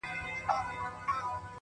هر ماځيگر تبه هره غرمه تبه